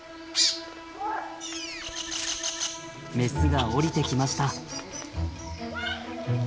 メスが下りてきました。